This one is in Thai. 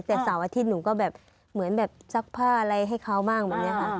แต่เสาร์อาทิตย์หนูก็แบบเหมือนแบบซักผ้าอะไรให้เขาบ้างแบบนี้ค่ะ